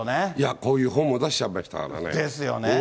こういう本も出しちゃう人だからね。ですよね。